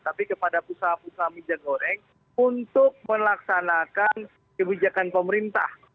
tapi kepada pengusaha pengusaha minyak goreng untuk melaksanakan kebijakan pemerintah